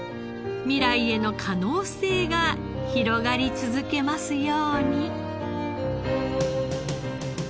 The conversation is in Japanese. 未来への可能性が広がり続けますように。